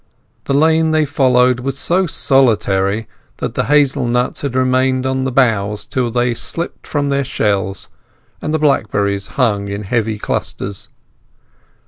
The lane they followed was so solitary that the hazel nuts had remained on the boughs till they slipped from their shells, and the blackberries hung in heavy clusters.